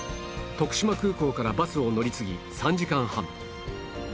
徳島空港からバスを乗り継ぎ３時間半